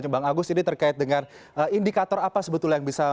bang agus ini terkait dengan indikator apa sebetulnya